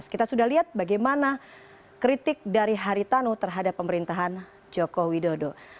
kita sudah lihat bagaimana kritik dari haritano terhadap pemerintahan jokowi dodo